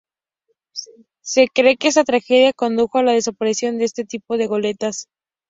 Se cree que esta tragedia condujo a la desaparición de este tipo de goletas.